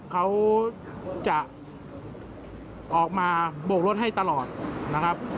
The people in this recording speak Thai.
เขาจะออกมาโบกรถให้ตลอดนะครับ